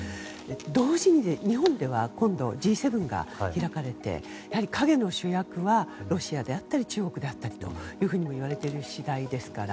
同時に、日本では今後Ｇ７が開かれてやはり陰の主役はロシアだったり中国だといわれている次第ですから。